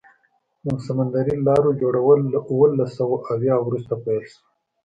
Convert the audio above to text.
د سمندري لارو جوړول له اوولس سوه اویا وروسته پیل شو.